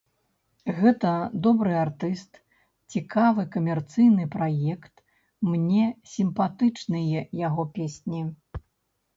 Гэта добры артыст, цікавы камерцыйны праект, мне сімпатычныя яго песні.